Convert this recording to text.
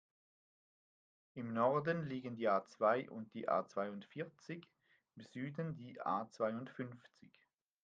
Im Norden liegen die A-zwei und die A-zweiundvierzig, im Süden die A-zweiundfünfzig.